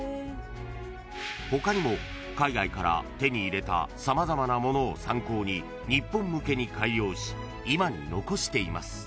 ［他にも海外から手に入れた様々なものを参考に日本向けに改良し今に残しています］